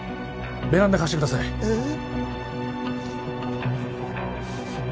ベランダ貸してくださいええ